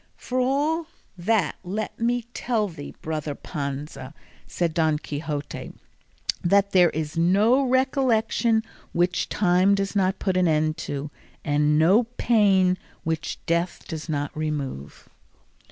"For all that let me tell thee, brother Panza," said Don Quixote, "that there is no recollection which time does not put an end to, and no pain which death does not remove."